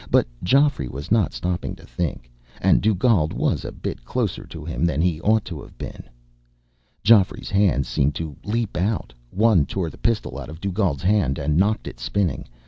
But Geoffrey was not stopping to think. And Dugald was a bit closer to him than he ought to have been. Geoffrey's hands seemed to leap out. One tore the pistol out of Dugald's hand and knocked it spinning.